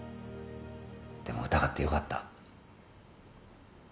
でも疑ってよかった。